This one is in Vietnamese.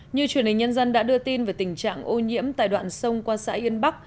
như truyền hình nhân dân đã đưa tin về tình trạng ô nhiễm tại đoạn sông qua xã yên bắc